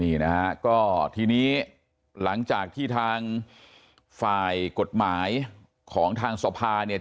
นี่นะฮะก็ทีนี้หลังจากที่ทางฝ่ายกฎหมายของทางสภาเนี่ย